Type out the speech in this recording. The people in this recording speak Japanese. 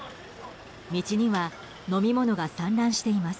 道には飲み物が散乱しています。